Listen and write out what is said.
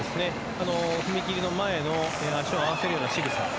踏み切りの前の足を合わせるようなしぐさ。